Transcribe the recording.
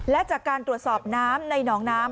และจากการตรวจสอบน้ำในหนองน้ำ